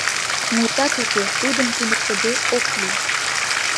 Мутат уке, тудым туныктыде ок лий.